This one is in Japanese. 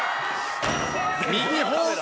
右方向